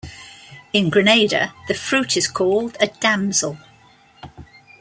In Grenada, the fruit is called a damsel.